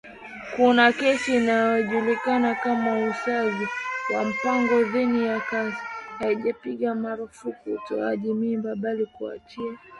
kuna kesi inayojulikana kama Uzazi wa mpango dhidi ya Casey, haijapiga marufuku utoaji mimba, bali kuyaachia majimbo uhuru